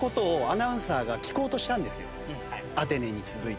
アテネに続いて。